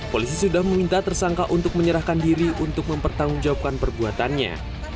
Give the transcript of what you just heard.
polisi sudah meminta tersangka untuk menyerahkan diri untuk mempertanggungjawabkan perbuatannya